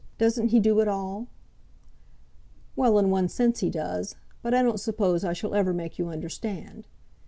Doesn't he do it all?" "Well, in one sense, he does. But I don't suppose I shall ever make you understand."